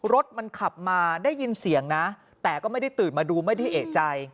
รถมันขับมาได้ยินเสียงนะแต่ก็ไม่ได้ตื่นมาดูไม่ได้เอกใจ